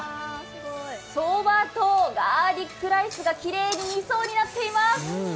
そばとガーリックライスがきれいに２層になっています。